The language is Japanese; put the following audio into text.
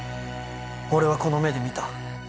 俺はこの目で見た。